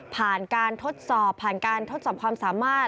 ผ่านการทดสอบผ่านการทดสอบความสามารถ